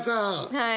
はい。